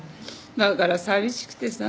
だから寂しくてさ。